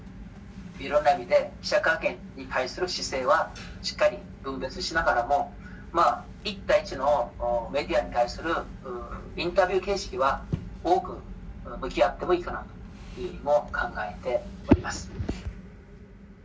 いろんな意味で、記者会見に対する姿勢は、しっかり分別しながらも、まあ、一対一のメディアに対するインタビュー形式は、多く向き合ってもいいかなというふうにも考えております。